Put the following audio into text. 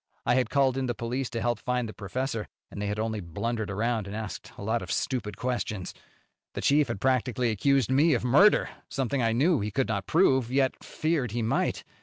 I had called in the police to help find the professor, and they had only blundered around and asked a lot of stupid questions. The chief had practically accused me of murder something I knew he could not prove, yet feared he might.